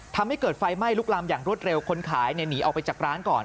ทำให้เกิดไฟไหม้ลุกลามอย่างรวดเร็วคนขายหนีออกไปจากร้านก่อน